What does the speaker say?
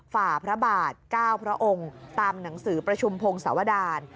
ฝ่าพระบาท๙พระองค์ตามหนังสือประชุมพงศวดาร